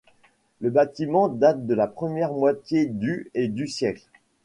Le bâtiment date de la première moitié du et du siècle.